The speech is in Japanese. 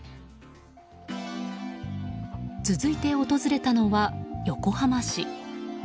続いて、訪れたのは横浜市。